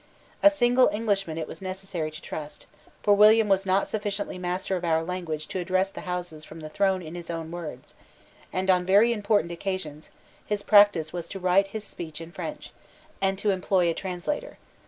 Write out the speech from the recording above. A single Englishman it was necessary to trust: for William was not sufficiently master of our language to address the Houses from the throne in his own words; and, on very important occasions, his practice was to write his speech in French, and to employ a translator.